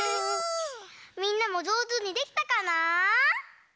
みんなもじょうずにできたかなあ？